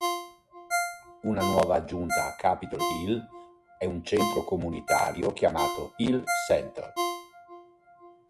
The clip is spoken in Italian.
Una nuova aggiunta a Capitol Hill è un centro comunitario chiamato Hill Center.